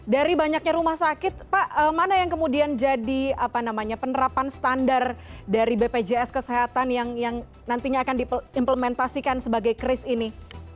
dari banyaknya rumah sakit pak mana yang kemudian jadi penerapan standar dari bpjs kesehatan yang nantinya akan diimplementasikan sebagai kris ini